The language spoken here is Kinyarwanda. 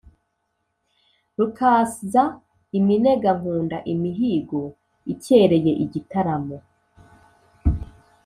Rukaza iminega nkunda imihigo ikereye igitaramo.